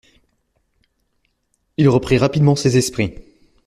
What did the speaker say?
Il reprit rapidement ses esprits.